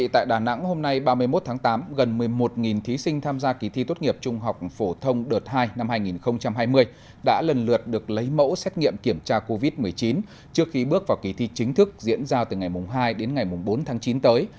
tại đà nẵng hôm nay ba mươi một tháng tám gần một mươi một thí sinh tham gia kỳ thi tốt nghiệp trung học phổ thông đợt hai năm hai nghìn hai mươi đã lần lượt được lấy mẫu xét nghiệm kiểm tra covid một mươi chín trước khi bước vào kỳ thi chính thức diễn ra từ ngày hai đến ngày bốn tháng chín tới